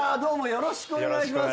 よろしくお願いします。